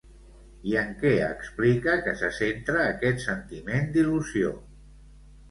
I en què explica que se centra aquest sentiment d'il·lusió?